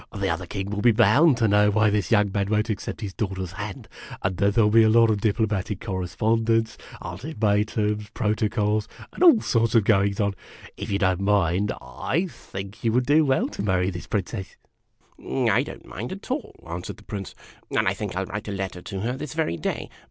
The other king will be bound to know why this young man won't accept his daughter's hand, and then there '11 be a lot of diplomatic correspondence, ultimatums, protocols, and all sorts of goings on. If you don't mind, I think you would do \vell to marry this Princess." " I don't mind at all," answered the Prince ;" and I think I '11 write a letter to her this very day.